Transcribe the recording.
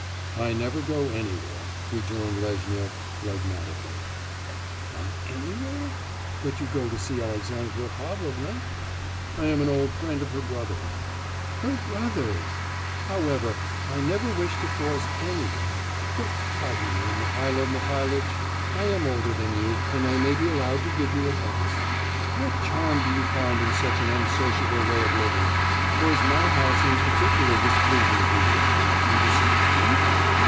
'I never go anywhere,' rejoined Lezhnyov phlegmatically. 'Not anywhere? But you go to see Alexandra Pavlovna.' 'I am an old friend of her brother's.' 'Her brother's! However, I never wish to force any one.... But pardon me, Mihailo Mihailitch, I am older than you, and I may be allowed to give you advice; what charm do you find in such an unsociable way of living? Or is my house in particular displeasing to you? You dislike me?